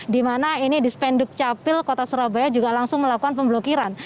di mana ini di spenduk capil kota surabaya juga langsung melakukan pemblokiran